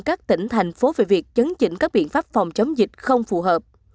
các tỉnh thành phố về việc chấn chỉnh các biện pháp phòng chống dịch không phù hợp